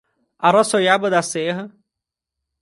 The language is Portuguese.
Araçoiaba da Serra